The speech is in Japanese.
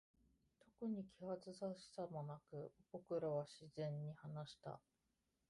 特に気恥ずかしさもなく、僕らは自然に話した。